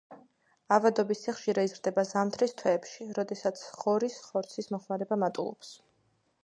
ავადობის სიხშირე იზრდება ზამთრის თვეებში, როდესაც ღორის ხორცის მოხმარება მატულობს.